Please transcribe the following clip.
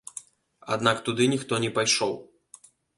Аднак туды ніхто не пайшоў.